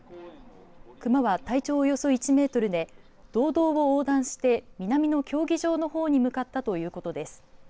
熊は体長およそ１メートルで道道を横断して南の競技場の方に向かったということです。